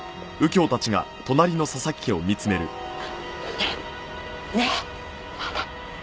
ねえねえ！